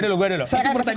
saya akan kasih kesempatan